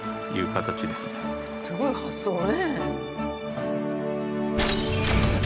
すごい発想ね。